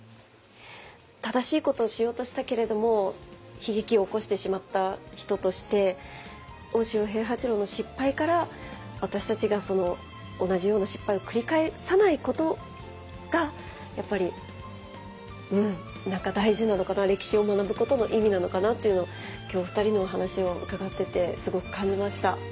正しいことをしようとしたけれども悲劇を起こしてしまった人として大塩平八郎の失敗から私たちがその同じような失敗を繰り返さないことがやっぱり何か大事なのかな歴史を学ぶことの意味なのかなっていうのを今日お二人のお話を伺っててすごく感じました。